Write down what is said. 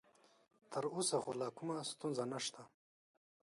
تر اوسه خو لا کومه ستونزه نشته.